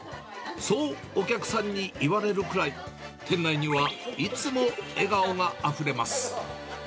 そうお客さんに言われるくらい、店内には、いつも笑顔があふれます。